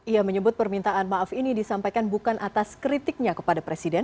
ia menyebut permintaan maaf ini disampaikan bukan atas kritiknya kepada presiden